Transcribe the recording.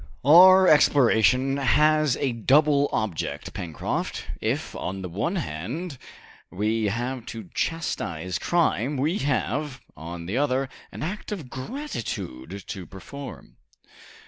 Our exploration has a double object, Pencroft. If, on the one hand, we have to chastise crime, we have, on the other, an act of gratitude to perform."